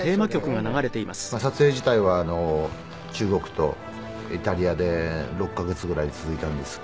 撮影自体は中国とイタリアで６カ月ぐらい続いたんですが。